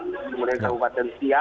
kemudian kabupaten siak